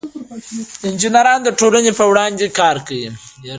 انجینران د ټولنې په وړاندې کار کوي.